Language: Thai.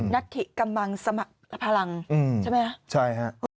นักฐิกำลังสมัครพลังใช่ไหมครับ